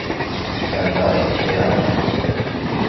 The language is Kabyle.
Anda ay tt-ffrent?